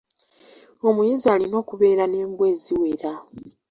Omuyizzi alina okubeera n'embwa eziwera.